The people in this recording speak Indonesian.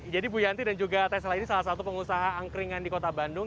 jadi bu yanti dan juga tessela ini salah satu pengusaha angkringan di kota bandung